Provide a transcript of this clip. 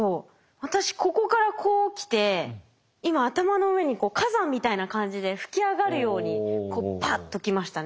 私ここからこう来て今頭の上に火山みたいな感じで噴き上がるようにこうパッと来ましたね。